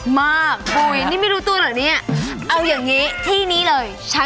มากปุ๋ยนี่ไม่รู้ตัวหรอกเนี่ย